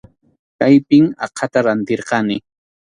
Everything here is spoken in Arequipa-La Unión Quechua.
Kaypim aqhata rantirqani.